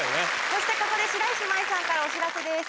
そしてここで白石麻衣さんからお知らせです。